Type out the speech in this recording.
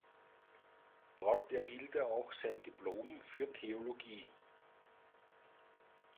Dort erhielt er auch sein Diplom für Theologie.